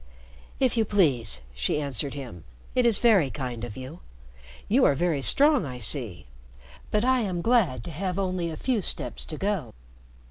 "If you please," she answered him. "It is very kind of you. You are very strong, I see. But I am glad to have only a few steps to go."